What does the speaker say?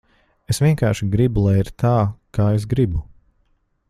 Es vienkārši gribu, lai ir tā, kā es gribu.